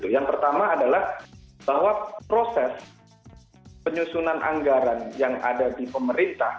yang pertama adalah bahwa proses penyusunan anggaran yang ada di pemerintah